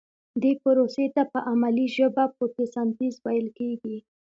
دې پروسې ته په علمي ژبه فتوسنتیز ویل کیږي